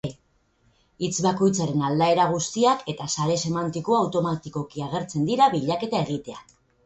Hitz bakoitzaren aldaera guztiak eta sare semantikoa automatikoki agertzen dira bilaketa egitean.